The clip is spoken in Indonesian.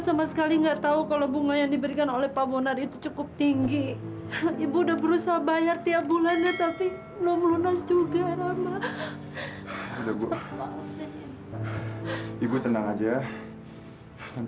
sampai jumpa di video selanjutnya